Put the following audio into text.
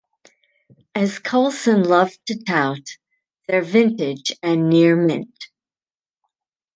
As Coulson loved to tout They're vintage and near mint.